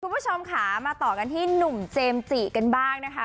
คุณผู้ชมค่ะมาต่อกันที่หนุ่มเจมส์จิกันบ้างนะคะ